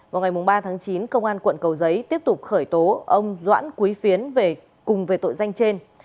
vào ngày ba tháng chín cơ quan quận cầu giấy tiếp tục khởi tố ông doãn quý phiến cùng về tội danh trên